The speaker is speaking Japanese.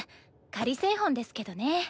仮製本ですけどね。